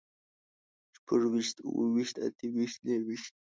شپږ ويشت، اووه ويشت، اته ويشت، نهه ويشت